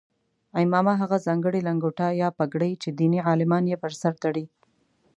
عمامه هغه ځانګړې لنګوټه یا پګړۍ چې دیني عالمان یې پر سر تړي.